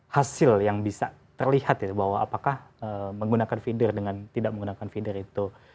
hasil yang bisa terlihat ya bahwa apakah menggunakan feeder dengan tidak menggunakan feeder itu